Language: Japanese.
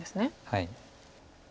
はい。